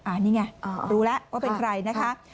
อันนี้ไงรู้แล้วว่าเป็นใครนะคะ